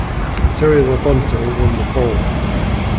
Terry Labonte won the pole.